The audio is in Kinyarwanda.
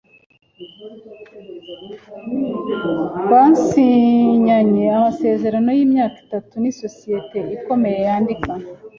Basinyanye amasezerano yimyaka itatu nisosiyete ikomeye yandika.